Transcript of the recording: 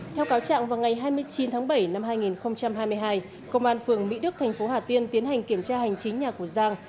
theo cáo trạng vào ngày hai mươi chín tháng bảy năm hai nghìn hai mươi hai công an phường mỹ đức thành phố hà tiên tiến hành kiểm tra hành chính nhà của giang